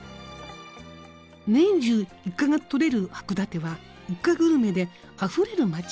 年中イカが取れる函館はイカグルメであふれる町。